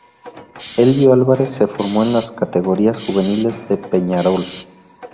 Elbio Álvarez se formó en las categorías juveniles de Peñarol.